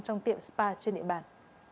trong tiệm spa trên địa bàn